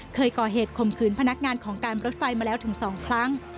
เคยก่อเหตุคมคืนพนักงานของการรถไฟมาแล้วถึง๒ครั้ง